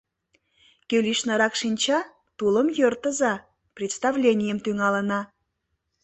— Кӧ лишнырак шинча, тулым йӧртыза, представленийым тӱҥалына.